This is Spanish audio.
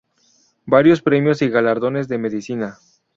Varios premios y galardones de medicina.